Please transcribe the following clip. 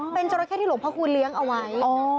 เป็นจราเข้ที่หลวงพระคูณเลี้ยงเอาไว้